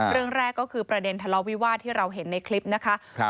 เรื่องแรกก็คือประเด็นทะเลาะวิวาสที่เราเห็นในคลิปนะคะ